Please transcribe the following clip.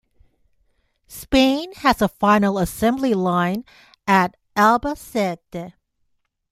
Spain has a final assembly line at Albacete.